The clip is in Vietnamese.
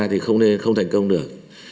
thì không nên không thành công được